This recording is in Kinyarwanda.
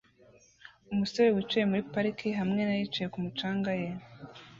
Umusore wicaye muri parike hamwe na yicaye kumu canga ye